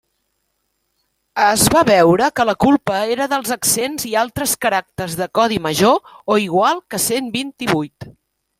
Es va veure que la culpa era dels accents i altres caràcters de codi major o igual que cent vint-i-vuit.